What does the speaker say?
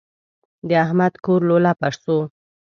د احمد کور لولپه شو.